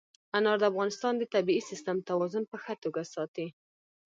انار د افغانستان د طبعي سیسټم توازن په ښه توګه ساتي.